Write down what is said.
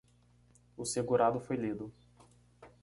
O segurado foi lido